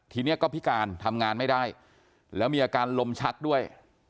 ทีนี้ก็พิการทำงานไม่ได้แล้วมีอาการลมชักด้วย